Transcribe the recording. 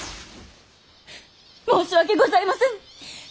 申し訳ございませぬ！